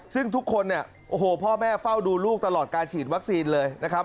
ซึ่งทุกคนเนี่ยโอ้โหพ่อแม่เฝ้าดูลูกตลอดการฉีดวัคซีนเลยนะครับ